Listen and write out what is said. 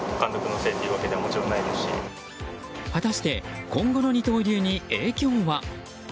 果たして今後の二刀流に影響は。